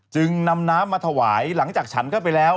จึงนำน้ำมาถวายหลังจากฉันเข้าไปแล้ว